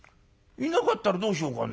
いなかったらどうしようかね。